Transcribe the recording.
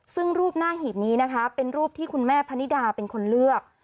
ซึ่งรูปหน้าหีบนี้นะคะเป็นรูปที่คุณแม่พนิดาเป็นคนเลือก